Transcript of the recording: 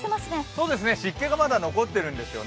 そうですね、湿気がまだ残っているんです。